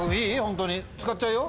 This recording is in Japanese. ホントに使っちゃうよ。